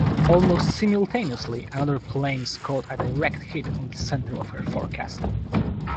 Almost simultaneously another plane scored a direct hit on the center of her forecastle.